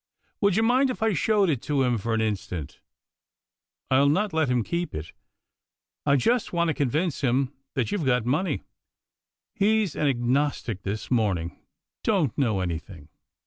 " Would you mind if I showed it to him for an instant ? I'll not let him keep it. I just want to con vince him that you've got money. He's an agnostic this morning — don't know anything."